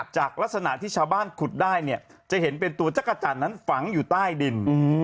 จากลักษณะที่ชาวบ้านขุดได้เนี่ยจะเห็นเป็นตัวจักรจันทร์นั้นฝังอยู่ใต้ดิน